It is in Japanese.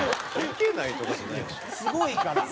すごいからね。